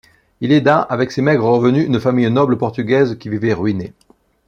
Il aida, avec ses maigres revenus une famille noble portugaise qui vivait ruinée.